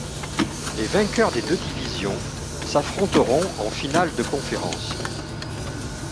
Les vainqueurs des deux divisions s’affronteront en finale de conférence.